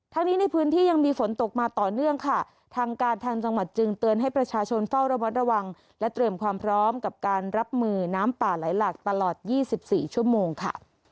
นี้ในพื้นที่ยังมีฝนตกมาต่อเนื่องค่ะทางการทางจังหวัดจึงเตือนให้ประชาชนเฝ้าระมัดระวังและเตรียมความพร้อมกับการรับมือน้ำป่าไหลหลากตลอด๒๔ชั่วโมงค่ะ